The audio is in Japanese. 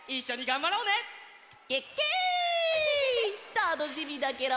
たのしみだケロ！